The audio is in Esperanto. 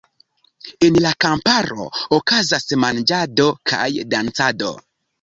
En la kamparo okazas manĝado kaj dancado.